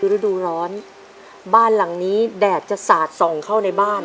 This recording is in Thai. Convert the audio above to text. ฤดูร้อนบ้านหลังนี้แดดจะสาดส่องเข้าในบ้าน